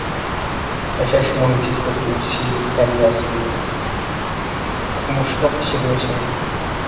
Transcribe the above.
ياشاش مۇھىتى كۆپىنچىسى دەرياسى بويىدا، قومۇشلۇق ئىچىدە ياشايدۇ.